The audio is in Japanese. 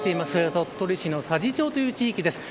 鳥取市の佐治町という地域です。